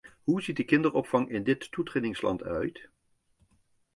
Hoe ziet de kinderopvang in dit toetredingsland eruit?